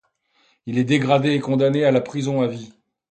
Il est dégradé et condamné à la prison à vie.